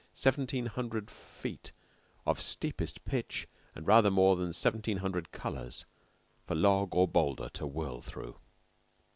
Seventeen hundred feet of steep est pitch and rather more than seventeen hundred colors for log or bowlder to whirl through!